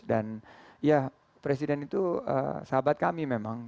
dan ya presiden itu sahabat kami memang